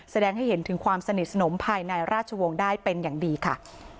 แสดงให้เห็นถึงความสนิทสนมภายในราชวงศ์ได้เป็นอย่างดีค่ะ